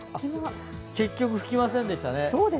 結局吹きませんでしたね。